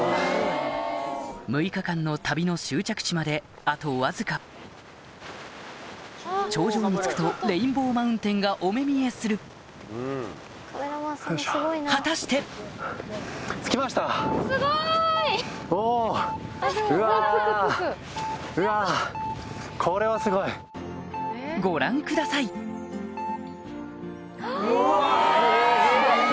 ６日間の旅の終着地まであとわずか頂上に着くとレインボーマウンテンがお目見えする果たしてご覧くださいうわ！